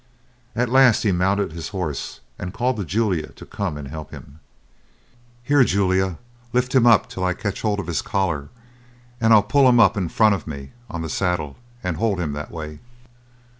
At last he mounted his horse, and called to Julia to come and help him. "Here, Julia, lift him up till I catch hold of his collar, and I'll pull him up in front of me on the saddle, and hold him that way."